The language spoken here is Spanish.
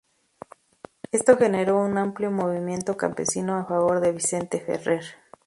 Esto generó un amplio movimiento campesino a favor de Vicente Ferrer.